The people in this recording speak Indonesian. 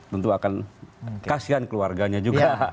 tentu akan kasihan keluarganya juga